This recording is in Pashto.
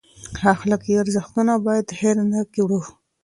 اخلاقي ارزښتونه باید هیر نه کړو.